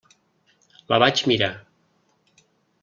La vaig mirar.